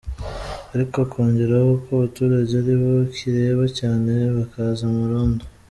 Ariko akongeraho ko abaturage ari bo kireba cyane bakaza amarondo.